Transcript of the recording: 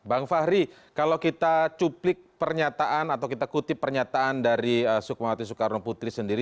bang fahri kalau kita cuplik pernyataan atau kita kutip pernyataan dari sukmawati soekarno putri sendiri